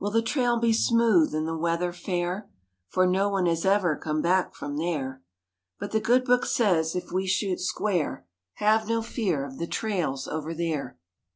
Will the trail be smooth, and the weather fair? (For no one has ever come back from there) But the good book says, if we shoot square, "Have no fear of the trails over there!"